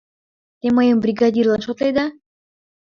Те мыйым бригадирлан шотледа?